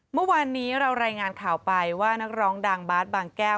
เมื่อวานนี้เรารายงานข่าวไปว่านักร้องดังบาร์ดบางแก้ว